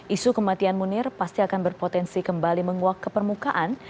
isu kematian munir pasti akan berpotensi kembali menguak ke permukaan